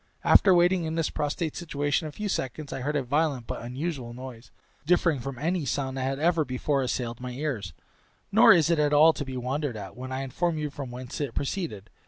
After waiting in this prostrate situation a few seconds, I heard a violent but unusual noise, differing from any sound that had ever before assailed my ears; nor is it at all to be wondered at, when I inform you from whence it proceeded.